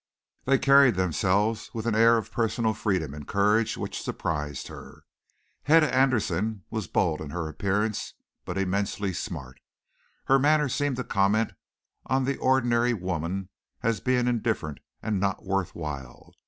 They carried themselves with an air of personal freedom and courage which surprised her. Hedda Anderson was bold in her appearance but immensely smart. Her manner seemed to comment on the ordinary woman as being indifferent and not worth while.